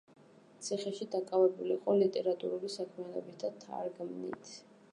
ციხეში დაკავებული იყო ლიტერატურული საქმიანობით და თარგმნით.